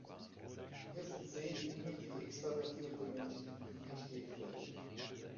Hier sind zehn Dinge, die extravertierte Menschen nie verstehen werden.